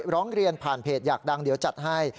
ร้องเรียนผ่านเพจอยากดังเดี๋ยวจัดให้